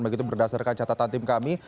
begitu berdasarkan catatan tim kami